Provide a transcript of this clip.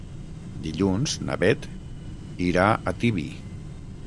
Dilluns na Beth irà a Tibi.